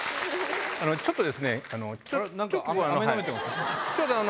ちょっとですね。